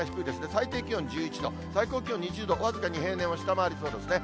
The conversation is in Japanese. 最低気温１１度、最高気温２０度、僅かに平年を下回りそうですね。